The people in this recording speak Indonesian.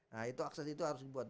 nah itu akses itu harus dibuat